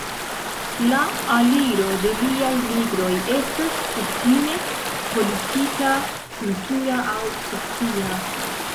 La aliro de liaj libroj estas kutime politika, kultura, aŭ socia.